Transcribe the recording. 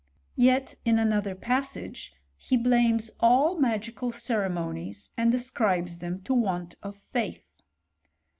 * Yet, in another passage, he blames all magical ceremonies, and as cribes them to want of faith.